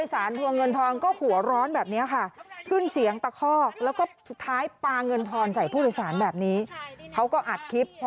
บันทึกไว้หมดหนูพูดไป